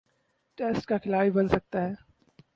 Test کا کھلاڑی بن سکتا ہے۔